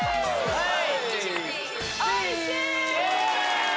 はい！